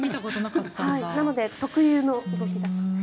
特有の動きだそうです。